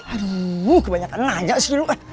aduh kebanyakan nanya sih dulu kan